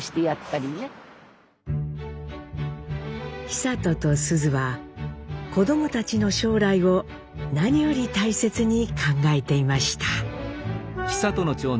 久渡と須壽は子どもたちの将来を何より大切に考えていました。